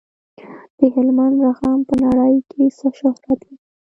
د هلمند رخام په نړۍ کې څه شهرت لري؟